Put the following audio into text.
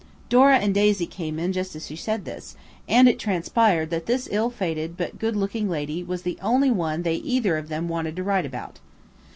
Dora and Daisy came in just as she said this, and it transpired that this ill fated but good looking lady was the only one they either of them wanted to write about.